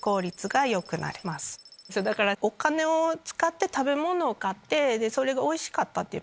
お金を使って食べ物を買ってそれがおいしかったっていう。